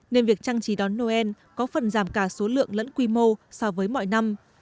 nên việc trang trí đón noel có phần giảm cả số lượng lẫn quy mô so với mọi năm